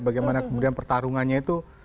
bagaimana kemudian pertarungannya itu